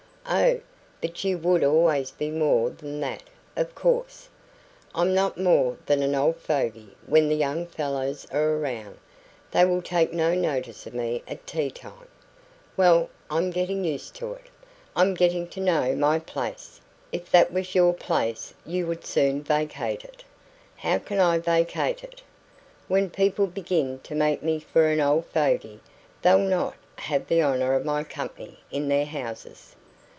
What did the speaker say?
"Oh, but you would always be more than that, of course." "I'm not more than an old fogey when the young fellows are around. They will take no notice of me at tea time. Well, I'm getting used to it. I'm getting to know my place." "If that was your place, you would soon vacate it." "How can I vacate it?" "When people begin to take me for an old fogey, they'll not have the honour of my company in their houses."